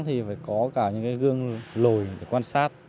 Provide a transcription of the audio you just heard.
thì phải có cả những cái gương lồi để quan sát